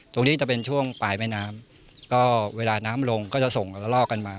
ตรงนี้จะเป็นช่วงปลายแม่น้ำก็เวลาน้ำลงก็จะส่งแล้วก็ลอกกันมา